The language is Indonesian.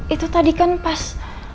itu tadi kan pas